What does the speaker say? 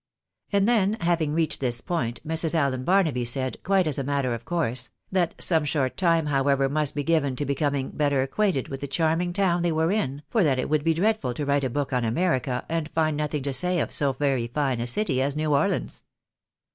And then, having reached this point, Mrs. Allen Barnaby said, quite as a matter of course, that some short time however must be given to becoming better acquainted with the charming town they were in, for that it would be dreadful to write a book on America, and find nothing to say of so very fine a city as New Orleans.